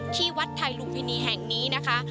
ที่วัดไทยลุมพินีแห่งนี้นะคะ